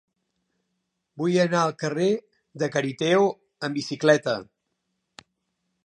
Vull anar al carrer de Cariteo amb bicicleta.